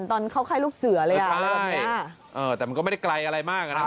ตอนเข้าคล้ายลูกเสือเลยอ่ะใช่ใช่เออแต่มันก็ไม่ได้ไกลอะไรมากน่ะ